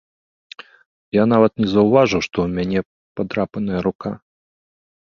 Я нават не заўважыў што ў мяне падрапаная рука.